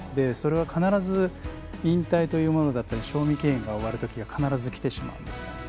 それは必ず引退というものだったり賞味期限が終わるときが必ずきてしまうんですね。